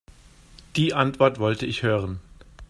Die Antwort wollte ich hören.